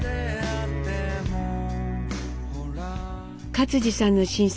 克爾さんの親戚